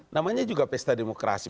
namanya juga pesta demokrasi